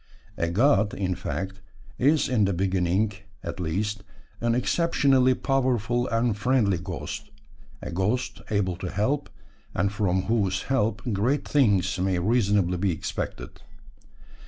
A god, in fact, is in the beginning, at least, an exceptionally powerful and friendly ghost a ghost able to help, and from whose help great things may reasonably be expected.